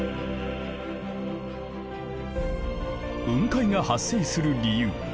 雲海が発生する理由